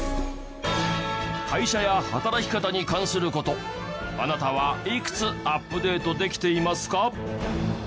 会社や働き方に関する事あなたはいくつアップデートできていますか？